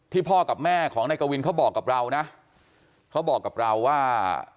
พ่อกับแม่ของนายกวินเขาบอกกับเรานะเขาบอกกับเราว่า